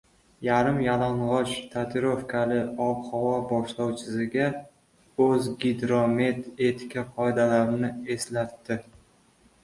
Yarim-yalang‘och, tatuirovkali ob-havo boshlovchisiga O‘zgidromet etika qoidalarini eslatdi